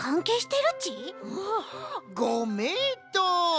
ごめいとう！